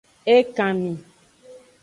Ekanmi.